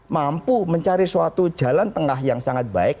mampu mencari suatu jalan tengah yang sangat baik